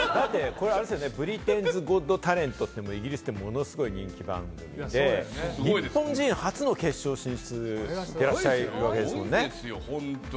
『ブリテンズ・ゴット・タレント』っていうイギリスで、ものすごく人気番組で日本人初の決勝進出でいらっしゃるわけですもんね？